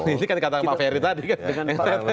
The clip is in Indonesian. ini kan kata pak ferry tadi kan